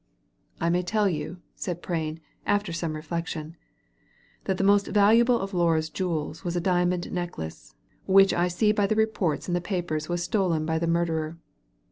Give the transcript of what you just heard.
'* I may tell you," said Prain, after some reflection, ''that the most valuable of Laura's jewels was a diamond necklace, which I see by the reports in the papers was stolen by the murderer.